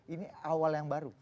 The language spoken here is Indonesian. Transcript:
ini awal yang baru